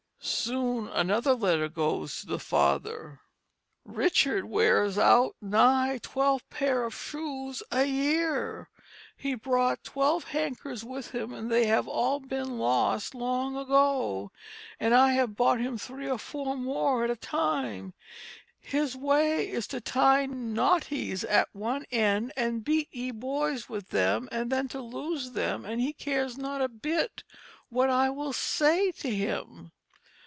Soon another letter goes to the father: "Richard wears out nigh 12 paire of shoes a year. He brought 12 hankers with him and they have all been lost long ago; and I have bought him 3 or 4 more at a time. His way is to tie knottys at one end & beat ye Boys with them and then to lose them & he cares not a bit what I will say to him."